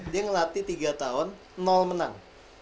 dia ngelatih tiga tahun menang